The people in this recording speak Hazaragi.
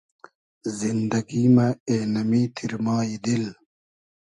زیندئگی مۂ اېنۂ می تیرمای دیل